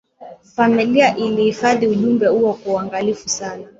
familia iliihifadhi ujumbe huo kwa uangalifu sana